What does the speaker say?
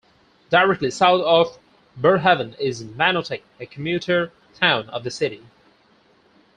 Directly south of Barrhaven is Manotick, a commuter town of the city.